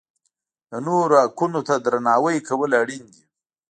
د نورو حقونو ته درناوی کول اړین دي.